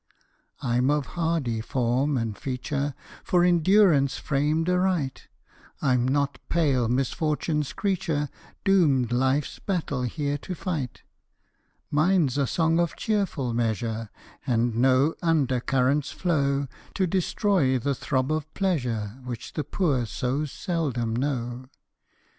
I'm of hardy form and feature, For endurance framed aright; I'm not pale misfortune's creature, Doomed life's battle here to fight: Mine's a song of cheerful measure, And no under currents flow To destroy the throb of pleasure Which the poor so seldom know.